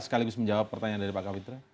sekaligus menjawab pertanyaan dari pak kapitra